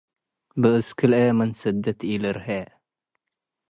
ብእስ ክልኤ ምን ስድት ኢልርሄ።